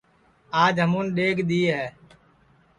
آج ہمون ڈؔیگ دؔی ہے